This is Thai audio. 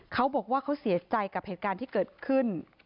เขาบอกว่าเขาเสียใจกับเหตุการณ์ที่เกิดขึ้น